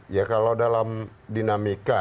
ya kalau dalam dinamika